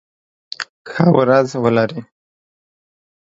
ښه ورځ ولری